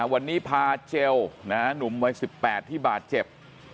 วันนี้พาเจลหนุ่มวัย๑๘ที่บาดเจ็บ